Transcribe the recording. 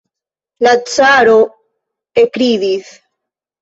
La caro ekridis.